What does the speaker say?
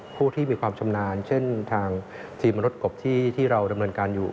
ผู้ที่มีความชำนาญเช่นทางทีมมนุษย์กบที่เราดำเนินการอยู่